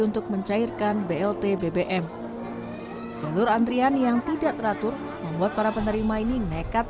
untuk mencairkan blt bbm jalur antrian yang tidak teratur membuat para penerima ini nekat